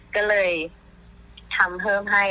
ก็เลยทำเพิ่มให้